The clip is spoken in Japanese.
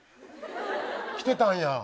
来てたんや。